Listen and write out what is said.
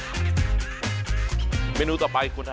ไม่รอชาติเดี๋ยวเราลงไปพิสูจน์ความอร่อยกันครับ